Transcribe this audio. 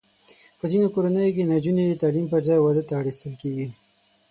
په ځینو کورنیو کې نجونې د تعلیم پر ځای واده ته اړ ایستل کېږي.